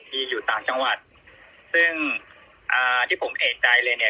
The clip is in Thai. อยู่ต่างจังหวัดซึ่งอ่าที่ผมเอกใจเลยเนี่ย